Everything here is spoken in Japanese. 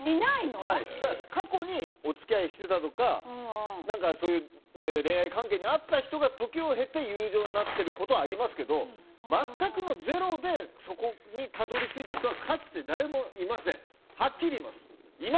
過去にお付き合いしてたとか恋愛関係にあった人が時を経て友情になってることはありますけど全くのゼロでそこにたどり着いた人はかつて誰もいません。